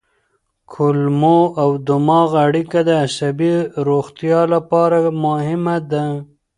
کولمو او دماغ اړیکه د عصبي روغتیا لپاره مهمه ده.